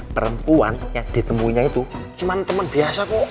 perempuan yang ditemuinya itu cuma teman biasa kok